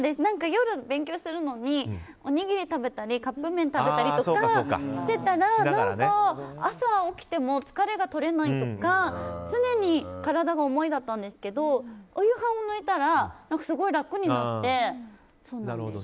夜、勉強するのにおにぎり食べたりカップ麺食べたりとかしてたら何か、朝起きても疲れが取れないとか常に体が重かったんですけどお夕飯を抜いたらすごい、楽になって。